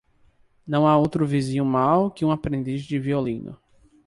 Não há outro vizinho mau que um aprendiz de violino.